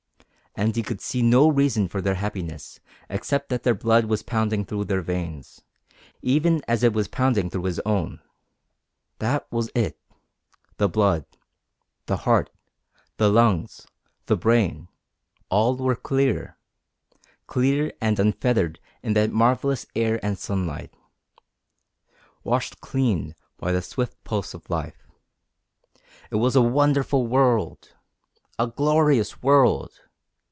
And he could see no reason for their happiness except that their blood was pounding through their veins, even as it was pounding through his own. That was it the blood. The heart. The lungs. The brain. All were clear clear and unfettered in that marvellous air and sunlight, washed clean by the swift pulse of life. It was a wonderful world! A glorious world!